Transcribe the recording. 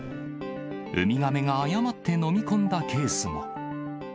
ウミガメが誤って飲み込んだケースも。